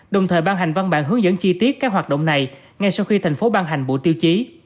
đồng thời ban hành văn bản hướng dẫn chi tiết các hoạt động này ngay sau khi thành phố ban hành bộ tiêu chí